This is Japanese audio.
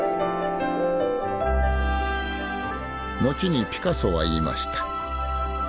後にピカソは言いました。